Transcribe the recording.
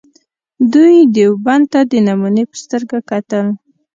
دوی دیوبند ته د نمونې په سترګه کتل.